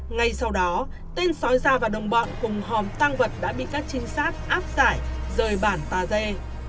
ngay sau đó tên sói gia và đồng bọn cùng hòm tăng vật đã bị các trinh sát áp giải rời bản tà dê